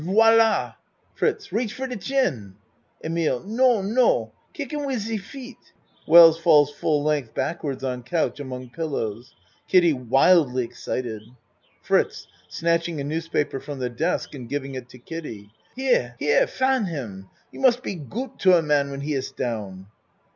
Voila! FRITZ Reach for de chin. EMILE Non, no, Kick him wiz se feet! (Wells falls full length backwards on couch among pillows. Kiddie wildly excited.) FRITZ (Snatching a newspaper from the desk and giving it to Kiddie.) Here here fan him! You must be goot to a man when he iss down.